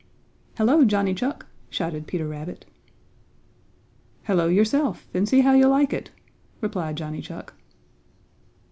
"Hello, Johnny Chuck!" shouted Peter Rabbit. "Hello yourself, and see how you like it!" replied Johnny Chuck.